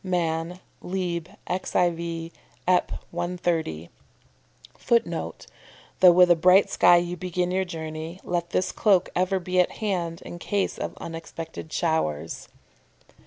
Man'., lib. xiv. Ep. 130. [Footnote: "Though with a bright sky you begin your journey, let this cloak ever be at hand in case of unexpected showers."